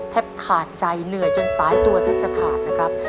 ขาดใจเหนื่อยจนสายตัวแทบจะขาดนะครับ